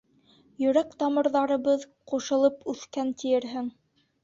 Йөрәк тамырҙарыбыҙ ҡушылып үҫкән тиерһең.